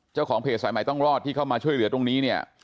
เจ้าของเพจสายใหม่ต้องรอดที่เข้ามาช่วยเหลือตรงนี้เนี่ย